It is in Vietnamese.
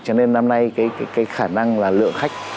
cho nên năm nay cái khả năng là lượng khách